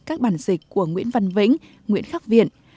các bản dịch của nguyễn văn vĩnh nguyễn khắc viện